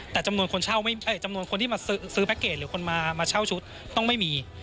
แต่จำนวนคนที่มาซื้อแพ็กเกจหรือคนมาเช่าชุดต้องไม่มี